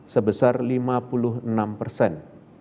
sebesar lima puluh enam persen